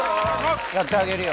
やってあげるよ